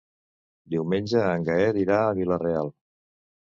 Diumenge en Gaël irà a Vila-real.